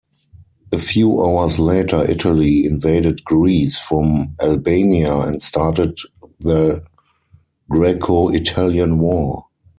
A few hours later, Italy invaded Greece from Albania and started the Greco-Italian War.